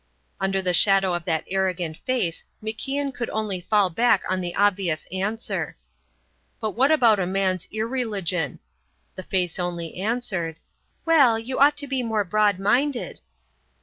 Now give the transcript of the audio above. Under the shadow of that arrogant face MacIan could only fall back on the obvious answer: "But what about a man's irreligion?" The face only answered: "Well, you ought to be more broadminded."